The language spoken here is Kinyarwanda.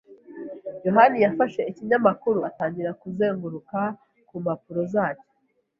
yohani yafashe ikinyamakuru atangira kuzenguruka ku mpapuro zacyo.